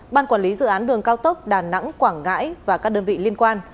ban quản lý dự án đường cao tốc đà nẵng quảng ngãi và các đơn vị liên quan